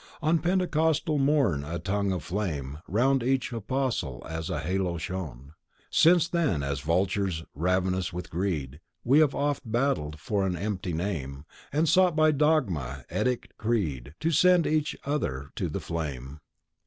On Pentecostal morn a tongue of flame Round each apostle as a halo shone. Since then, as vultures ravenous with greed, We oft have battled for an empty name, And sought by Dogma, Edict, Creed, To send each other to the flame.